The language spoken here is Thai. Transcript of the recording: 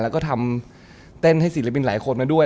แล้วก็ทำเต้นให้ศิลปินหลายคนมาด้วย